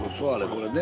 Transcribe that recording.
これね。